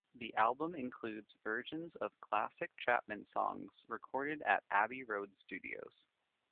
The album includes versions of classic Chapman songs recorded at Abbey Road Studios.